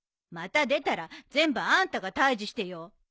また出たら全部あんたが退治してよ。